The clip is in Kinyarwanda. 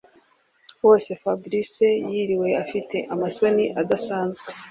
wose fabric yiriwe afite amasoni adasanzwe